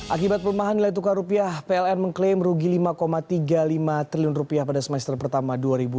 akibat pelemahan nilai tukar rupiah pln mengklaim rugi lima tiga puluh lima triliun rupiah pada semester pertama dua ribu dua puluh